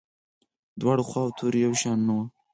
دواړو خواوو توري یو شان نه وو.